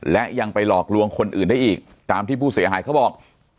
และยังไปหลอกลวงคนอื่นได้อีกตามที่ผู้เสียหายเขาบอก